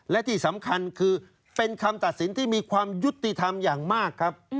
และที่สำคัญคือเป็นคำตัดสินที่มีความยุติธรรมอย่างมากครับ